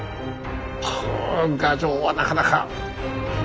くぅ牙城はなかなか。